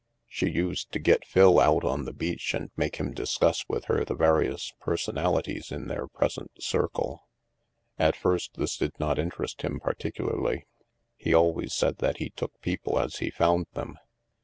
She used to get Phil out on the beach and make him discuss with her the various personalities in their present circle. At first this did not interest him particularly. He always said that he "took people as he found them."